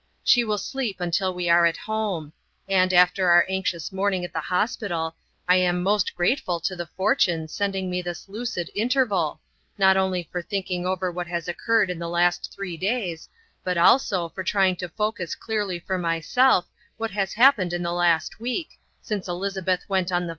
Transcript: She will sleep until we are at home; and, after our anxious morning at the hospital, I am most grateful to the fortune sending me this lucid interval, not only for thinking over what has occurred in the last three days, but also for trying to focus clearly for myself what has happened in the last week, since Elizabeth went on the 5.